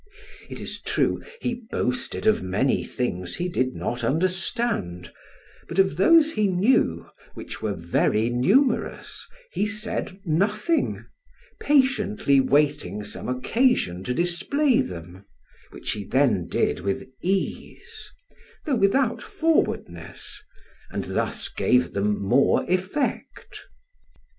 It is true, he boasted of many things he did not understand, but of those he knew (which were very numerous) he said nothing, patiently waiting some occasion to display them, which he then did with ease, though without forwardness, and thus gave them more effect.